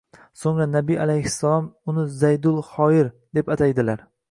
So‘ngra Nabiy alayhissalom uni Zaydul Xoyr, deb ataganlar